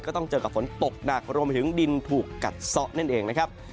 ต้องเจอกับฝนตกหนักรวมไปถึงดินถูกกัดซะนั่นเองนะครับ